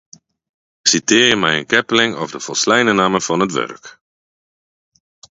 Sitearje mei in keppeling of de folsleine namme fan it wurk.